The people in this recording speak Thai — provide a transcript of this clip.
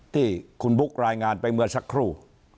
ที่คุณบุ๊ครายงานไปเมื่อสักครู่